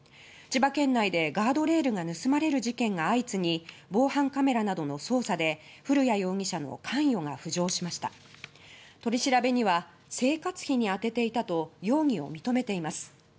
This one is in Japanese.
千葉県内でガードレールが盗まれる事件が相次ぎ防犯カメラなどの捜査で古谷容疑者の関与が浮上しました取り調べには「生活費にあてていた」と容疑を認めています。